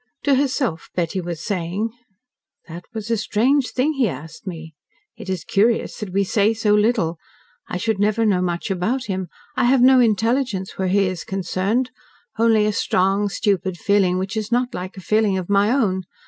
To herself Betty was saying: "That was a strange thing he asked me. It is curious that we say so little. I should never know much about him. I have no intelligence where he is concerned only a strong, stupid feeling, which is not like a feeling of my own.